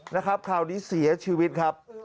นะครับคราวนี้เสียชีวิตครับ